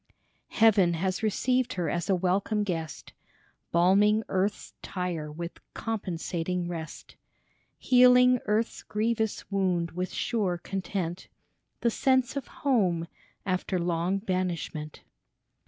Heaven has received her as a welcome guest, Balming earth's tire with compensating rest, Healing earth's grievous wound with sure content, The sense of home after long banishment.